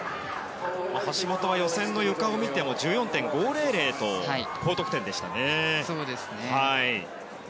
橋本は予選のゆかを見ても１４．５００と高得点でしたね。